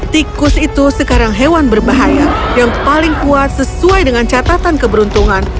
tikus itu sekarang hewan berbahaya yang paling kuat sesuai dengan catatan keberuntungan